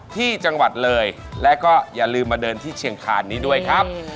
ที่จังหวัดเลยและก็อย่าลืมมาเดินที่เชียงคานนี้ด้วยครับ